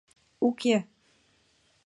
Уке.